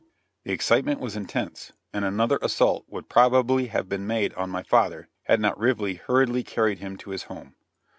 The excitement was intense, and another assault would probably have been made on my father, had not Rively hurriedly carried him to his home.